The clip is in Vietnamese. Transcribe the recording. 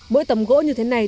mỗi tầm gỗ như thế này